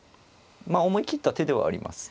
思い切った手ではあります。